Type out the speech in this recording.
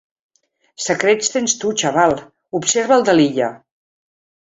Secrets tens tu, xaval —observa el de l’Illa.